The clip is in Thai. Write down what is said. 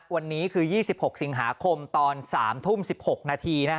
วันนี้คือ๒๖สิงหาคมตอน๓ทุ่ม๑๖นาที